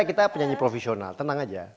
kita penyanyi profesional tenang aja